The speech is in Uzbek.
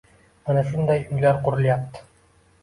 Mana shunday uylar qurilyapti